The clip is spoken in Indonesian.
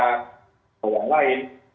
atau yang lain